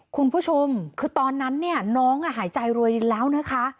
คุณผู้ชมคือตอนนั้นเนี่ยน้องหายใจรวยรินแล้วนะคะ